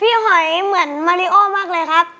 หอยเหมือนมาริโอมากเลยครับ